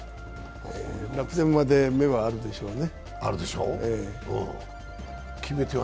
楽天まで芽はあるでしょうね。